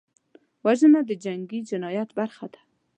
وژنه د جنګي جنایت برخه ده